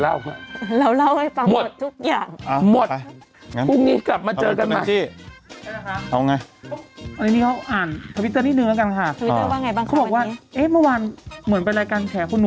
เขาก็เลวว่าเอ๊ท่วนหนูมีปัญหาเรื่องกับวัทธิสปานก่อน